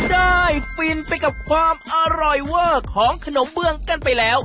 ได้ฟินไปกับพร้อมอร่อยว่อของขนมเบื้องกันไปแล้ว